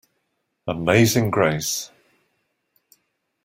Amazing Grace.